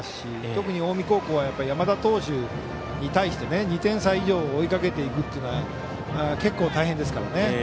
特に近江高校は山田投手に対して２点差以上追いかけていくというのが結構、大変ですからね。